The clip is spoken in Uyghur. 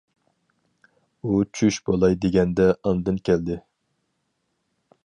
ئۇ چۈش بولاي دېگەندە ئاندىن كەلدى.